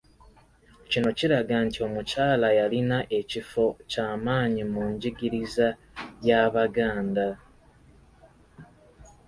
Kino kiraga nti omukyala yalina ekifo ky’amaanyi mu njigiriza y’Abaganda.